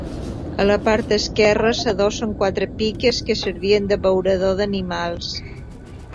A la part esquerra s'adossen quatre piques que servien d'abeurador d'animals.